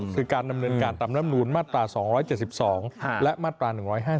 คือการดำเนินการตามลำนูลมาตรา๒๗๒และมาตรา๑๕๗